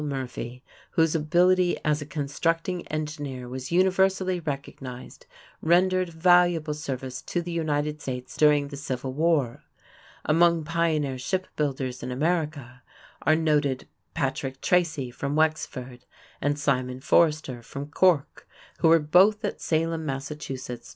Murphy, whose ability as a constructing engineer was universally recognized, rendered valuable service to the United States during the Civil War. Among pioneer ship builders in America are noted Patrick Tracy fron Wexford and Simon Forrester from Cork, who were both at Salem, Mass.